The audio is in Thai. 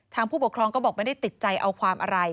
ผู้ปกครองก็บอกไม่ได้ติดใจเอาความอะไร